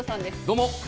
どうも！